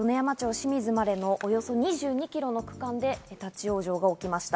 清水までのおよそ２２キロの区間で立ち往生が起きました。